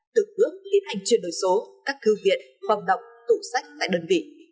tự ước liên hành chuyển đổi số các thư viện phòng đọc tủ sách tại đơn vị